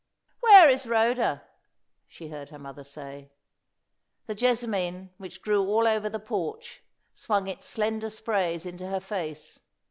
"Where is Rhoda?" she heard her mother say. The jessamine, which grew all over the porch, swung its slender sprays into her face.